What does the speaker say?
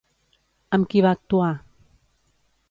Amb qui va actuar?